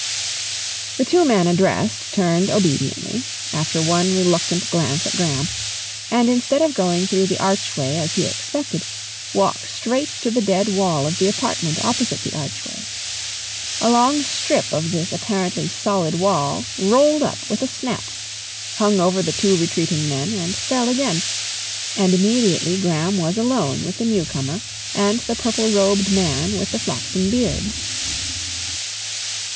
The two men addressed turned obediently, after one reluctant glance at Graham, and instead of going through the archway as he expected, walked straight to the dead wall of the apartment opposite the archway. A long strip of this apparently solid wall rolled up with a snap, hung over the two retreating men and fell again, and immediately Graham was alone with the newcomer and the purple robed man with the flaxen beard.